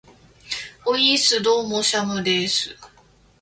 ｵｨｨｨｨｨｨｯｽ!どうもー、シャムでーす。